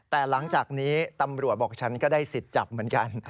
แต่หลังจากนี้ตำรวจบอกฉันก็ได้สิทธิ์จับเหมือนกัน